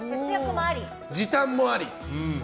時短もあり。